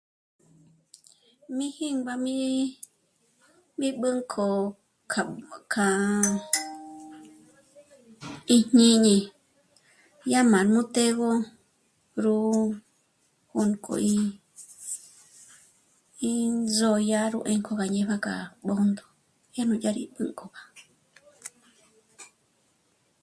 Mí jínguami... mí b'ǚnkjö k'a... k'a íjñíñi yá má nú té'egö ró 'ónk'o í... í ndzòdya ró 'énk'o gá dyé já k'a Bṓndo yá nú yá rí pǔnk'ob'a